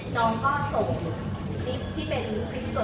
น้องก็ส่งคลิปที่เป็นคลิปสด